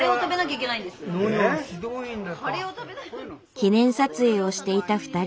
記念撮影をしていた２人。